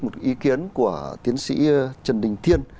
một ý kiến của tiến sĩ trần đình thiên